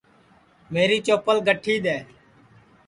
میری چوپل گٹھی دؔے